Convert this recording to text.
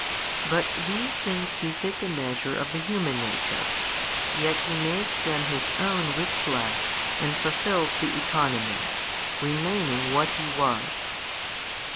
But these things befit the measure of the human nature, yet He makes them His own with flesh and fulfils the economy, remaining what He was.